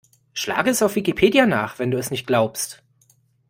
Schlage es auf Wikipedia nach, wenn du es nicht glaubst!